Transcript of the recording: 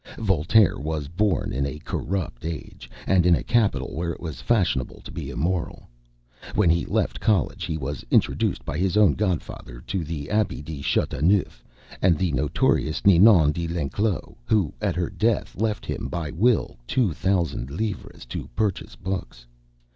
Voltaire was born in a corrupt age, and in a capital where it was fashionable to be immoral. When he left College, he was introduced by his own godfather, the Abbe de Chateauneuf, to the notorious Ninon de l'Enclos, who, at her death, left him by will two thousand livres to purchase books.